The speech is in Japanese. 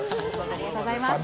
ありがとうございます。